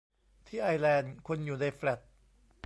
ที่ไอร์แลนด์ คนอยู่ในแฟลต